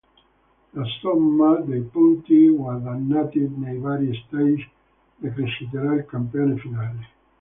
La somma dei punti guadagnati nei vari stage decreterà il campione finale.